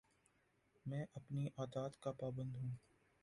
میں اپنی عادات کا پابند ہوں